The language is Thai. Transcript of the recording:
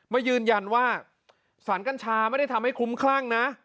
มายืนยันว่าสารกัญชาไม่ได้ทำให้คลุ้มคลั่งนะ